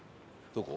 どこ？